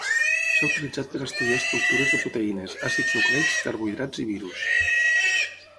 S'ha utilitzat per estudiar estructures de proteïnes, àcids nucleics, carbohidrats i virus.